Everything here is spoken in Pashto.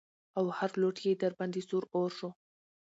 او هر لوټ يې د درباندې سور اور شي.